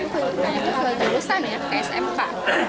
kebanyakannya juga jurusan ya ke sma